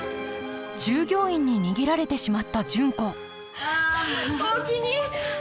従業員に逃げられてしまった純子おおきに！